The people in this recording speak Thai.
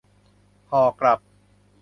ห่อกลับ